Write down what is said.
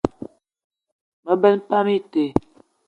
Me benn pam ite.